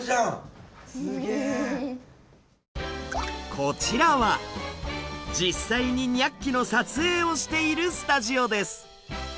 こちらは実際に「ニャッキ！」の撮影をしているスタジオです。